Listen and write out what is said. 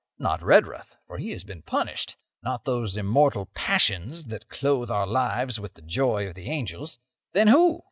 Not Redruth, for he has been punished. Not those immortal passions that clothe our lives with the joy of the angels. Then who?